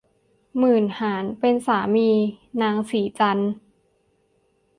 หมื่นหาญเป็นสามีนางสีจันทร์